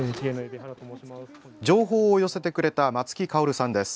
情報を寄せてくれた松木薫さんです。